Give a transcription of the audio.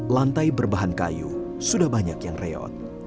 lantai berbahan kayu sudah banyak yang reot